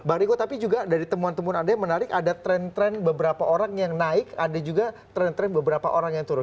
bang riko tapi juga dari temuan temuan anda yang menarik ada tren tren beberapa orang yang naik ada juga tren tren beberapa orang yang turun